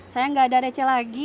saya nggak ada receh lagi